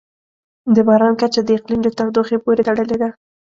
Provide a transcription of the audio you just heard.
د باران کچه د اقلیم د تودوخې پورې تړلې ده.